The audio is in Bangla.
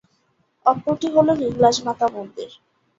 অপরটি হল হিংলাজ মাতা মন্দির।